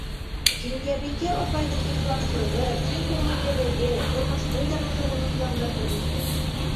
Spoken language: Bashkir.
Кинйәбикә апайҙың ихласлығы, киң күңеллелеге, тормошто яратыуы һоҡландырҙы беҙҙе.